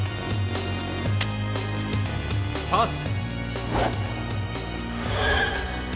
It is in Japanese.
パス。